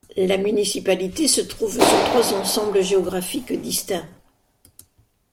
La municipalité se trouve sur trois ensembles géographiques distincts.